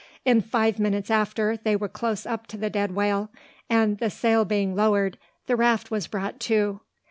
In five minutes after, they were close up to the dead whale; and, the sail being lowered, the raft was brought to.